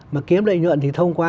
mà kiếm lợi nhuận thì thông qua